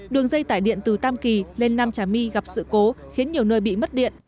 đường dây tải điện từ tam kỳ lên nam trà my gặp sự cố khiến nhiều nơi bị mất điện